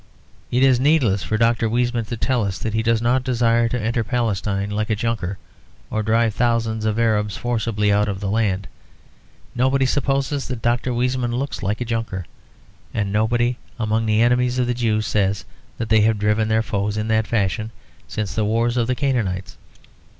It is needless for Dr. Weizmann to tell us that he does not desire to enter Palestine like a Junker or drive thousands of Arabs forcibly out of the land; nobody supposes that Dr. Weizmann looks like a Junker; and nobody among the enemies of the Jews says that they have driven their foes in that fashion since the wars with the Canaanites.